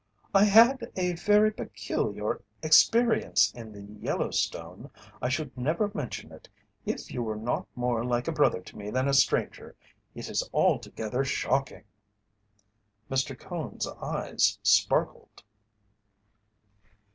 "I had a very peculiar experience in the Yellowstone. I should never mention it, if you were not more like a brother to me than a stranger. It is altogether shocking." Mr. Cone's eyes sparkled.